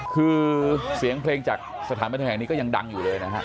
คือเสียงเพลงจากสถานบนแถวนี้ก็ยังดังอยู่เลยนะครับ